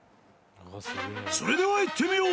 それでは行ってみよう！